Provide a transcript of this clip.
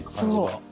そう。